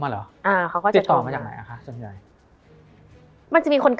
มันทำให้ชีวิตผู้มันไปไม่รอด